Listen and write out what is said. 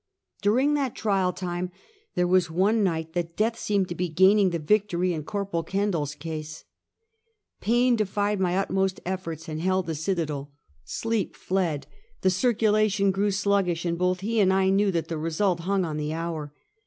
During that trial time there was one night that death seemed to be gaining the victory in Corporal Kendall's case. Pain defied my utmost efforts and held the citadeL Sleep fled; the circulation grew slug gish, and both he and I knew that the result hung on the liour.